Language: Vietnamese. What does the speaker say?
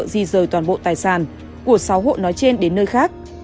di rời toàn bộ tài sản của sáu hộ nói trên đến nơi khác